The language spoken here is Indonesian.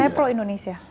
saya pro indonesia